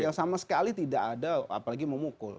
yang sama sekali tidak ada apalagi memukul